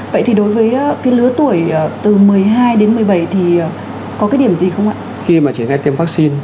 vậy thì đối với lứa tuổi từ một mươi hai đến một mươi bảy thì có cái điểm gì không ạ